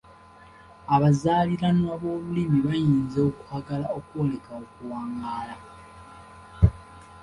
Abazaaliranwa b’olulimi bayinza okwagala okwoleka okuwangaala.